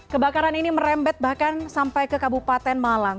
kebakaran ini merembet bahkan sampai ke kabupaten malang